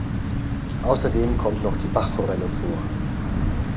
Außerdem kommt noch die Bachforelle vor.